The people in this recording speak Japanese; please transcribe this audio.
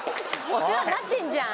お世話になってんじゃん。